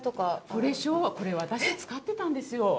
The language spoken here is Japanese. これ昭和これ私使ってたんですよ。